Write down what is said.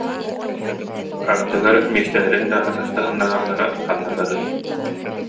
Ардыгар миэстэлэрин да атастаһыннараллара ханна барыай